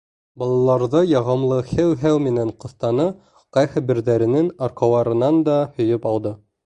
Балаларҙы яғымлы «һеү-һеү» менән ҡыҫтаны, ҡайһы берҙәренең арҡаларынан да һөйөп алды.